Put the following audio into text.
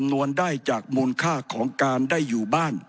ผมจะขออนุญาตให้ท่านอาจารย์วิทยุซึ่งรู้เรื่องกฎหมายดีเป็นผู้ชี้แจงนะครับ